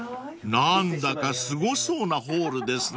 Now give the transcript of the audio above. ［何だかすごそうなホールですね］